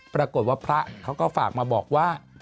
ปรากฏว่าพระเขาก็ฝากมาบอกว่า